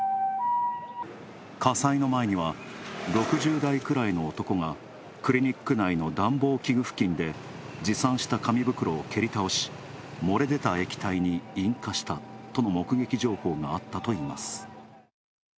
火災の前には、６０代くらいの男がクリニック内の暖房器具付近で持参した紙袋を蹴り倒し、漏れ出た液体に引火したとの目撃情報があったといいます。